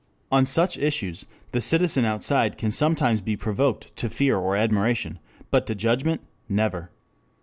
On such issues the citizen outside can sometimes be provoked to fear or admiration, but to judgment never.